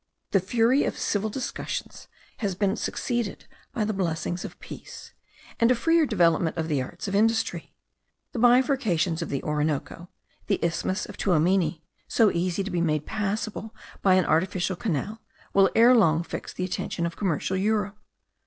The fury of civil discussions has been succeeded by the blessings of peace, and a freer development of the arts of industry. The bifurcations of the Orinoco, the isthmus of Tuamini, so easy to be made passable by an artificial canal, will ere long fix the attention of commercial Europe.